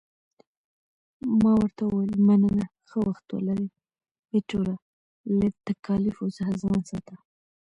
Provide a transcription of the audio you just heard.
ما ورته وویل، مننه، ښه وخت ولرې، ایټوره، له تکالیفو څخه ځان ساته.